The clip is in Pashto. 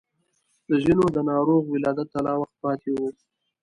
د ځينو د ناروغ ولادت ته لا وخت پاتې و.